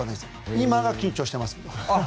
今は緊張しています。